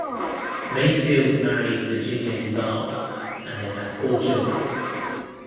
Mayfield married Virginia Duval and they had four children.